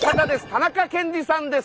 田中健二さんです。